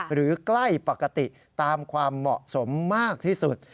ใกล้ปกติตามความเหมาะสมมากที่สุด